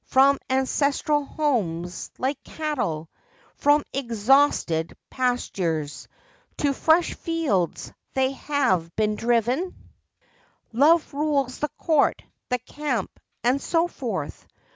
From ancestral homes, like cattle From exhausted pastures To fresh fields, have they been driven. 24 FACTS AND FANCIES. "Love rules the court, the camp," and so forth.